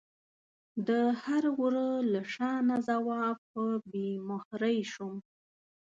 د هر وره له شانه ځواب په بې مهرۍ شوم